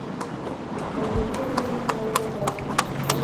الجميع يحبّ هذا المدرّس.